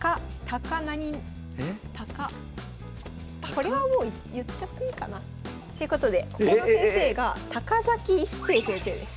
これはもう言っちゃっていいかな？ということでここの先生が一生先生です。